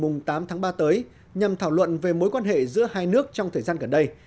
điều này sẽ gặp lại vào ngày tám tháng ba tới nhằm thảo luận về mối quan hệ giữa hai nước trong thời gian gần đây